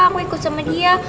aku ikut sama dia